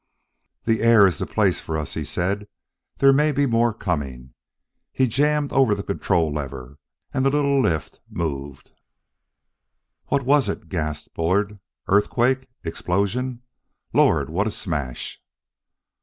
"The air is the place for us," he said; "there may be more coming." He jammed over the control lever, and the little lift moved. "What was it?" gasped Bullard, "earthquake? explosion? Lord, what a smash!"